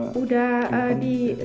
sudah di vaksin dan